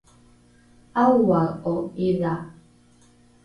aoae’o ’idha?